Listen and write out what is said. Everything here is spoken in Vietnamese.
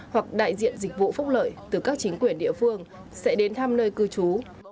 hoặc đại diện dịch vụ phúc lợi từ các chính quyền địa phương sẽ đến thăm nơi cư trú